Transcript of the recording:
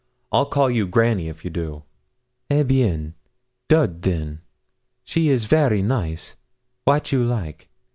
I'll call you Granny if you do.' 'Eh bien! Dud, then. She is vary nice wat you like.